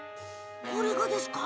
これがですか？